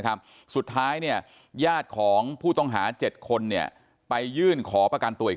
สุดท้ายเนี่ยญาติของผู้ต้องหา๗คนเนี่ยไปยื่นขอประกันตัวอีก